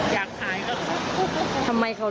อยากขายก็ขอ